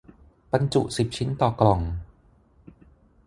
บรรจุสิบชิ้นต่อกล่อง